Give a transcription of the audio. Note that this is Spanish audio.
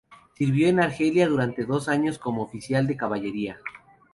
Sirvió en Argelia durante dos años como oficial de caballería.